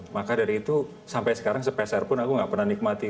maka dari itu sampai sekarang sepeserpun aku enggak pernah nikmati